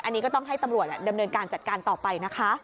อันนี้ก็ต้องให้ตำรวจดำเนินการจัดการต่อไปนะคะ